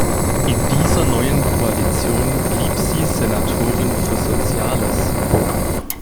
In dieser neuen Koalition blieb sie Senatorin für Soziales.